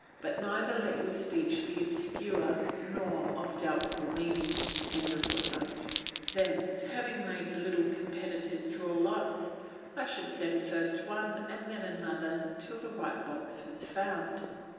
But neither let your speech be obscure nor of doubtful meaning.] Then having made the little competitors draw lots, I should send first one and then another till the right box was found.